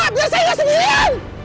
biar saya gak sendirian